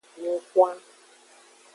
Lun xwan.